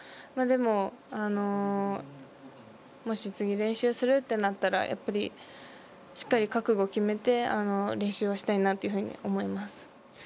でも、もし次練習するとなったらやっぱり、しっかり覚悟を決めて練習はしたいなというふうに思います。